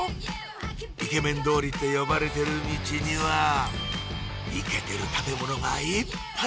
「イケメン通り」って呼ばれてるミチにはイケてる食べ物がいっぱい！